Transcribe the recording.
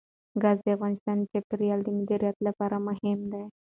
ګاز د افغانستان د چاپیریال د مدیریت لپاره مهم دي.